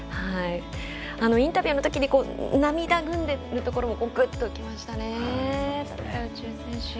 インタビューのときに涙ぐんでるところもグッときましたね、富田宇宙選手。